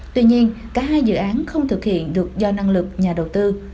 tuy nhiên cả hai dự án không thực hiện được do năng lực nhà đầu tư